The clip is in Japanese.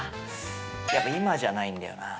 やっぱ今じゃないんだよな。